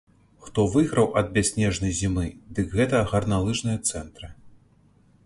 Хто выйграў ад бясснежнай зімы, дык гэта гарналыжныя цэнтры!